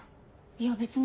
いや別に。